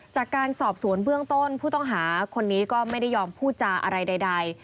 จากการสอบสวนเบื้องต้นผู้ต้องหาคนนี้ก็ไม่ได้ยอมพูดจาอะไรใด